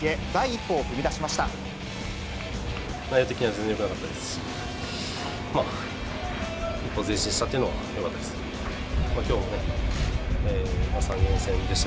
一歩前進したというのはよかったです。